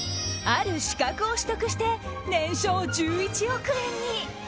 ある資格を取得して年商１１億円に。